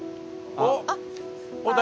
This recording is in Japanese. あっ。